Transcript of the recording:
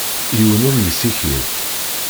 Yiwen ur yessikid.